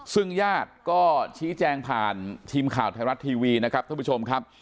ซึ่งญาติก็ชี้แจงผ่านทีมข่าวไทยรัฐทีวีนะครับท่านผู้ชมครับ